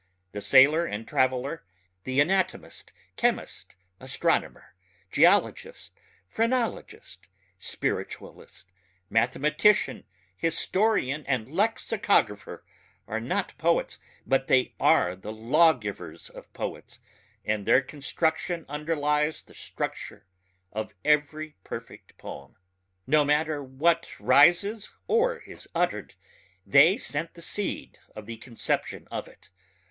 The sailor and traveller ... the anatomist chemist astronomer geologist phrenologist spiritualist mathematician historian and lexicographer are not poets, but they are the lawgivers of poets and their construction underlies the structure of every perfect poem. No matter what rises or is uttered they sent the seed of the conception of it